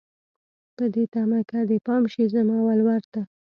په دې تمه که دې پام شي زما ولور ته